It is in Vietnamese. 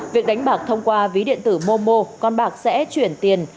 việc đánh bạc thông qua ví điện tử mô mô con bạc sẽ chuyển tiền